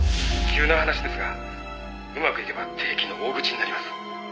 「急な話ですがうまくいけば定期の大口になります」